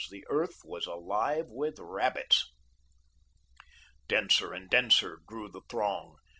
The earth was alive with rabbits. Denser and denser grew the throng.